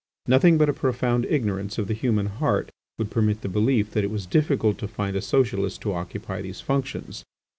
Nothing but a profound ignorance of the human heart would permit the belief that it was difficult to find a Socialist to occupy these functions.